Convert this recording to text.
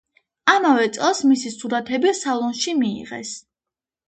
ამავე წელს მისი სურათები სალონში მიიღეს.